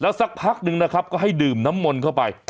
สักพักนึงนะครับก็ให้ดื่มน้ำมนต์เข้าไป